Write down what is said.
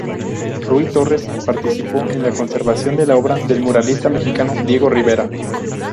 Rui Torres participó en la conservación de la obra del muralista mexicano Diego Rivera.